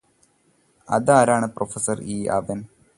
അതാരാണ് പ്രൊഫസര് ഈ അവന്